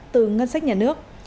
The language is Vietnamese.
từ ngân sách nhà nước